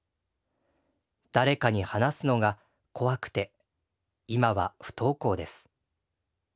誰かに話すのが怖くて今は不登校です。